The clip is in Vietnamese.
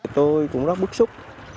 tôi cũng rất bức xúc